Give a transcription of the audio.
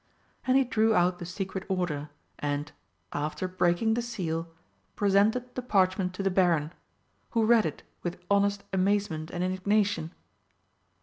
And he drew out the secret order, and, after breaking the seal, presented the parchment to the Baron, who read it with honest amazement and indignation.